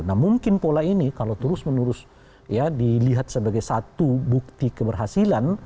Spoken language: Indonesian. nah mungkin pola ini kalau terus menerus ya dilihat sebagai satu bukti keberhasilan